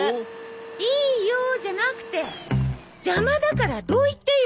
「いよ」じゃなくて邪魔だからどいてよ！